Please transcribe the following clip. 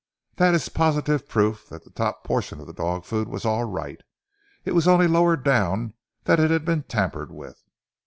That is positive proof that the top portion of the dog food was all right, it was only lower down that it had been tampered with."